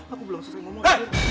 aku belum sesek